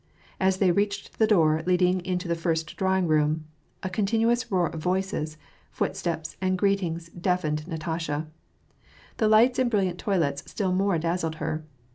As they reached the door leading into the first drawing room, a continuous roar of voices, footsteps, and greetings deafened Natasha : the lighta and brilliant toilets still more dazzled her.